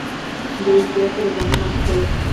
دی احتیاط سره ګامونه اخيستل.